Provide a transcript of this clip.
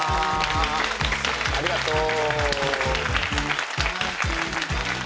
ありがとう。